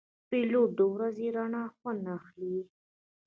پیلوټ د ورځې رڼا خوند اخلي.